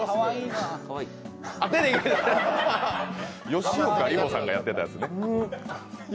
吉岡里帆さんがやってたやつね。